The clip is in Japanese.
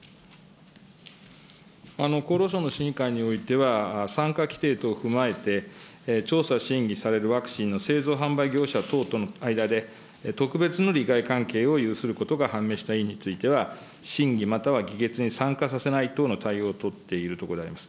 厚労省の審議会においては、参加規定等を踏まえて、調査、審議されるワクチンの製造販売業者等との間で、特別の利害関係を有することが判明した委員については審議または議決に参加させない等の対応を取っているところであります。